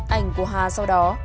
ảnh của hà sau đó